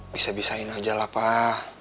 bisa bisain aja lah pak